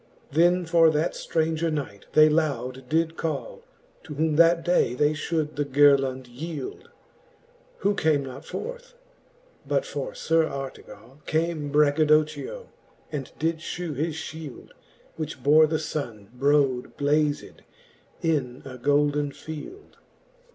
Then for that ftranger knight they loud did call. To whom that day they fhould the girlond yield ; Who came not forth : but for Sir Artegall Came Braggadocchio^ and did fhew his fhield, Which bore the Sunne brode blazed in a golden field.